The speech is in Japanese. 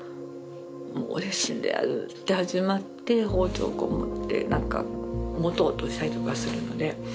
もう俺死んでやるって始まって包丁こう持って何か持とうとしたりとかするので。